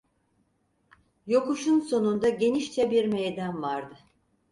Yokuşun sonunda genişçe bir meydan vardı.